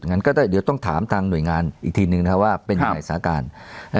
อย่างนั้นก็ต้องถามทางหน่วยงานอีกทีนึงนะครับว่าเป็นยังไงสถานการณ์